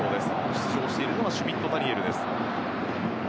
出場しているのはシュミット・ダニエルです。